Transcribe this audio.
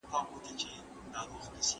معلم وویل که چیري داسي وسي